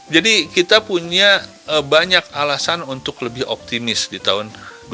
jadi kita punya banyak alasan untuk lebih optimis di tahun dua ribu dua puluh empat